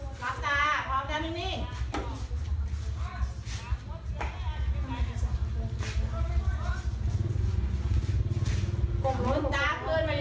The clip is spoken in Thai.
ตารับตาพร้อมจ้ะนี่